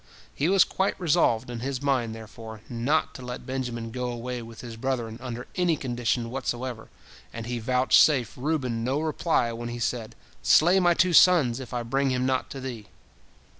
He was quite resolved in his mind, therefore, not to let Benjamin go away with his brethren under any condition whatsoever, and he vouchsafed Reuben no reply when he said, "Slay my two sons, if I bring him not to thee."